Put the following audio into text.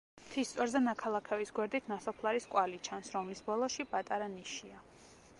მთის წვერზე ნაქალაქევის გვერდით ნასოფლარის კვალი ჩანს, რომლის ბოლოში პატარა ნიშია.